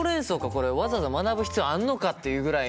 これわざわざ学ぶ必要あんのか？」っていうぐらいの。